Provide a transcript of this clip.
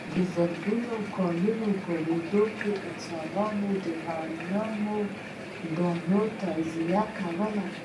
د زرګونو کلونو په اوږدو کې انسانانو د غنمو له دانو تغذیه کوله.